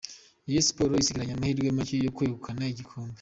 Rayon Sports isigaranye amahirwe make yo kwegukana igikombe.